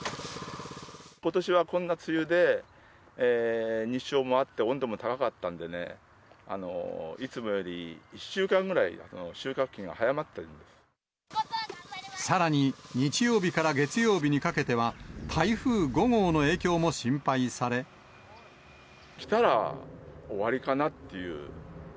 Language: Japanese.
ことしはこんな梅雨で、日照もあって、温度も高かったんでね、いつもより１週間ぐらい、さらに、日曜日から月曜日にかけては、台風５号の影響も心配され。来たら終わりかなっていう。